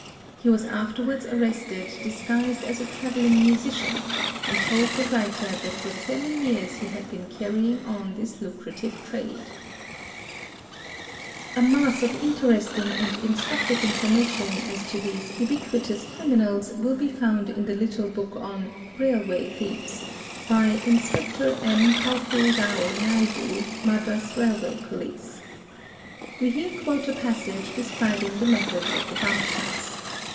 He 'was afterwards arrested disguised as a travelling musician, and told the 2 yriter that for seven years he had been carrying on this lucrative trade"'. A mass of interesting and instructive information as to these ubi — qu itous criminals will be found in the little book on " Railway Thieves" a D y Inspector M. Paupu Rao Naidu, Madras Railway Police. We here "quote a passage describing the methods of the Bhamptas.